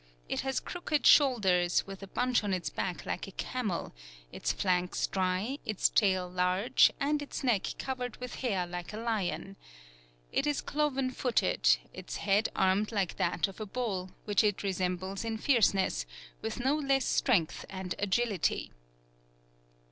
It has crooked Shoulders, with a Bunch on its Back like a Camel; its Flanks dry, its Tail large, and its Neck cover'd with Hair like a Lion. It is cloven footed, its Head armed like that of a Bull, which it resembles in Fierceness, with no less strength and Agility."